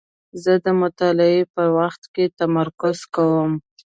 زه د مطالعې په وخت کې تمرکز کوم.